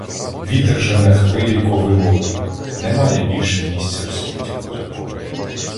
Вітер жене хвилі ковилові: Немає більше місця в світі козакові.